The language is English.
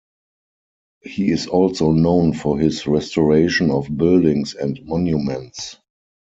He is also known for his restoration of buildings and monuments.